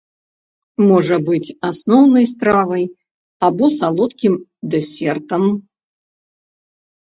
Можа быць асноўнай стравай або салодкім дэсертам.